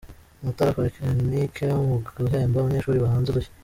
Umutara Politekinike mu guhemba abanyeshuri bahanze udushya